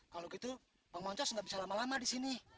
kalau gitu bang oncos nggak bisa lama lama di sini